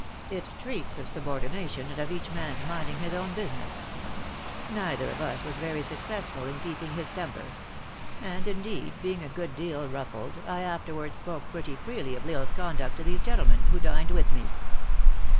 It treats of subordination, and of each man s minding his own business. Neither of us was very successful in keeping his temper; and, indeed, being a good deal ruffled, I afterward spoke pretty freely of L Isle s conduct to these gentlemen, who dined with me.